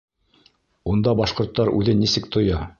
Унда башҡорттар үҙен нисек тоя?